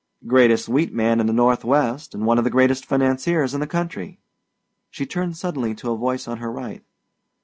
"Greatest wheat man in the Northwest, and one of the greatest financiers in the country." She turned suddenly to a voice on her right.